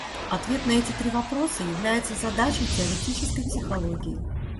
Ответ на эти три вопроса является задачей теоретической психологии.